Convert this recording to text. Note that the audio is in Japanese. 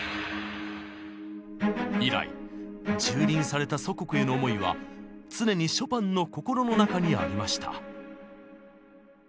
以来蹂躙された祖国への思いは常にショパンの心の中にありました。